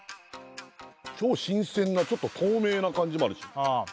超新鮮なちょっと透明な感じもあるし